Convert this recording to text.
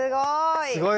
すごい。